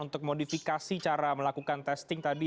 untuk modifikasi cara melakukan testing tadi